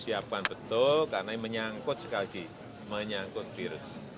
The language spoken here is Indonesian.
siapkan betul karena ini menyangkut sekali lagi menyangkut virus